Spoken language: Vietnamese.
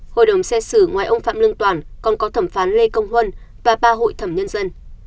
hội đồng xét xử ngoài ông phạm lương toản còn có thẩm phán lê công huân và ba hội thẩm nhân dân